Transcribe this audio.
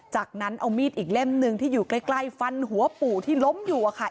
จากนั้นเอามีดอีกเล่มหนึ่งที่อยู่ใกล้ฟันหัวปู่ที่ล้มอยู่อะค่ะ